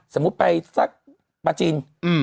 สมมุติไปปราจิน